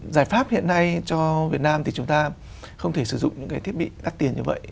giải pháp hiện nay cho việt nam thì chúng ta không thể sử dụng những cái thiết bị đắt tiền như vậy